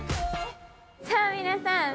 さあ皆さん